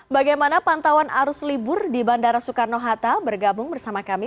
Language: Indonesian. bagaimana pantauan arus libur di bandara soekarno hatta bergabung bersama kami